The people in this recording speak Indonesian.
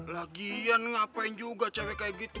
lagian ngapain juga capek kayak gitu